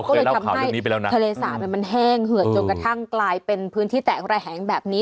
ก็เลยทำให้ทะเลสาบมันแห้งเหือดจนกระทั่งกลายเป็นพื้นที่แตกระแหงแบบนี้